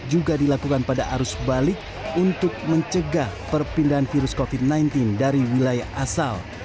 juga dilakukan pada arus balik untuk mencegah perpindahan virus covid sembilan belas dari wilayah asal